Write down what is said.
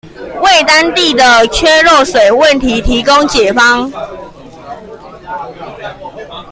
為當地的缺漏水問題提供解方